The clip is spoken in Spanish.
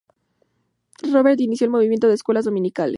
Robert inició el Movimiento de Escuelas Dominicales.